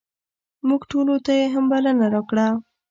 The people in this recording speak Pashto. موږ ټولو ته یې هم بلنه راکړه.